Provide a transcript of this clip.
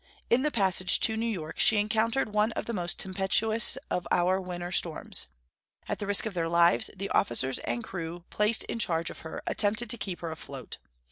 In the passage to New York she encountered one of the most tempestuous of our winter storms. At the risk of their lives the officers and crew placed in charge of her attempted to keep her afloat.